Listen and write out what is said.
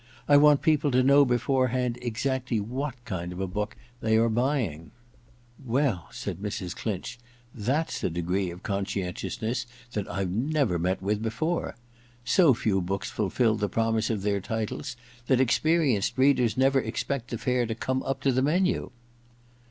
I want people to know beforehand exactly what kind of book they are buying.' * Well,' said Mrs. Clinch, * that's a degree of conscientiousness that I've never met with before. So few books fulfil the promise of their titles that experienced readers never expect the fare to come up to the menu.